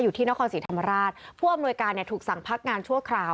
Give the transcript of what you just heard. อยู่ที่นครศรีธรรมราชผู้อำนวยการเนี่ยถูกสั่งพักงานชั่วคราว